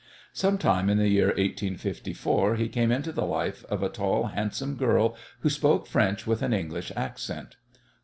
Some time in the year 1854 he came into the life of a tall, handsome girl who spoke French with an English accent.